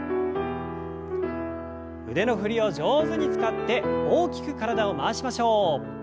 腕の振りを上手に使って大きく体を回しましょう。